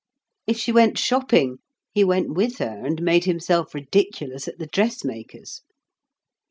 If she went shopping, he went with her and made himself ridiculous at the dressmaker's.